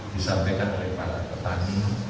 disampaikan oleh para petani